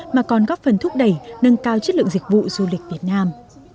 mà còn góp phần thúc đẩy nâng cao chất lượng dịch vụ du lịch việt nam